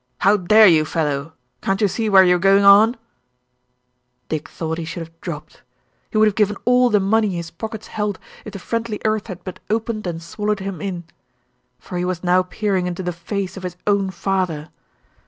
"How dare you, fellow? Can't you see where you are going on?" Dick thought he should have dropped. He would have given all the money his pockets held if the friendly earth had but opened and swallowed him in; for he was now peering into the face of his own father.